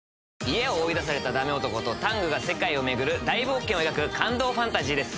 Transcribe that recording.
家を追い出されたダメ男とタングが世界を巡る大冒険を描く感動ファンタジーです。